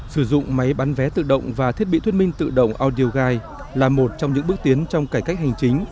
sử dụng máy bán vé tự động và thiết bị thuyết minh tự động audio guide là một trong những bước tiến trong cải cách hành chính